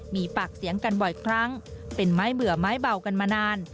มีปากเสียงกันบ่อยครั้งเป็นไม้เบื่อไม้เบากันมานาน